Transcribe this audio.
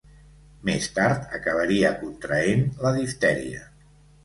Més tard acabaria contraent la diftèria.